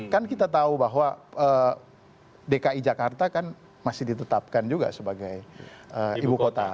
kan kita tahu bahwa dki jakarta kan masih ditetapkan juga sebagai ibu kota